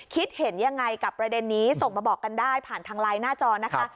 คิดเห็นยังไงกับประเด็นนี้ส่งมาบอกกันได้ผ่านทางไลน์หน้าจอนะคะ